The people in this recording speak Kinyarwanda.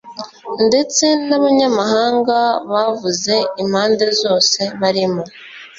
ndetse n'abanyamahanga bavuye impande zose barimo,